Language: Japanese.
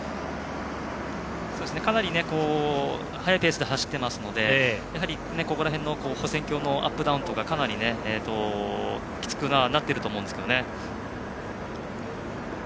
かなり速いペースで走っていますので跨線橋のアップダウンとかはかなりきつくなっていると思うんですけどね。